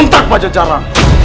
untukmu tak ada cara